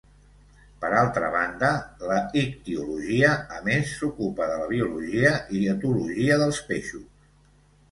Per altra banda la ictiologia a més s'ocupa de la biologia i etologia dels peixos.